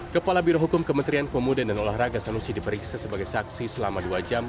kepala birohukum kementerian pemuda dan olahraga sanusi diperiksa sebagai saksi selama dua jam